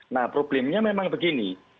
nah problemnya memang begini